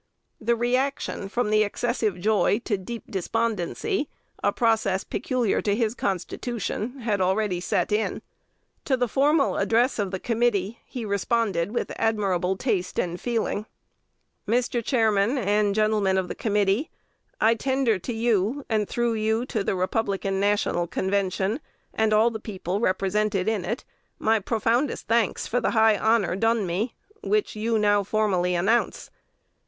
The re action from excessive joy to deep despondency a process peculiar to his constitution had already set in. To the formal address of the Committee, he responded with admirable taste and feeling; "Mr. Chairman and Gentlemen of the Committee, I tender to you, and through you to the Republican National Convention, and all the people represented in it, my profoundest thanks for the high honor done me, which you now formally announce.